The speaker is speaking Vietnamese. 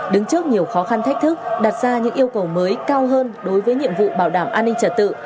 đứng trước nhiều khó khăn thách thức đặt ra những yêu cầu mới cao hơn đối với nhiệm vụ bảo đảm an ninh trật tự